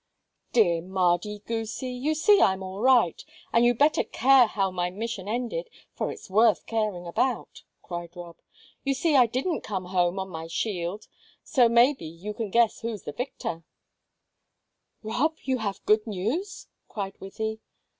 "Dear Mardy goosie, you see I'm all right, and you'd better care how my mission ended, for it's worth caring about," cried Rob. "You see I didn't come home on my shield, so maybe you can guess who's the victor." "Rob, have you good news?" cried Wythie.